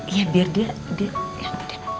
ya biar dia ya udah